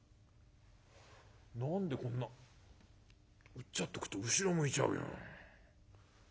うっちゃっとくと後ろ向いちゃうよ。